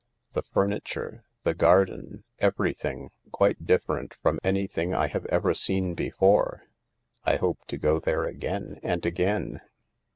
The furniture, the garden— everything — quite different from anything I have ever seen before. I hope to go there again and again.